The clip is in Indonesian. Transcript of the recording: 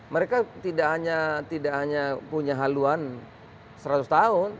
mereka tidak hanya punya haluan seratus tahun